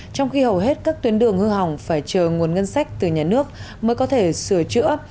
trong khi hầu hết các tuyến đường hư hỏng phải chờ nguồn ngân sách từ nhà nước mới có thể sửa chữa